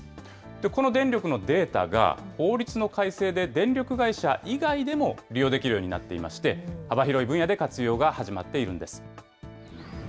この電力のデータが、法律の改正で電力会社以外でも利用できるようになっていまして、幅広い分野で活用が始まっているんです。